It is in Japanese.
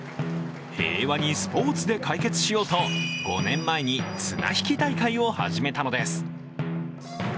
平和にスポーツで解決しようと、５年前に綱引き大会を始めたのです